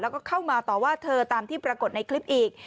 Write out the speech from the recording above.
แล้วก็เข้ามาต่อว่าเธอตามที่ปรากฏในคลิปอีก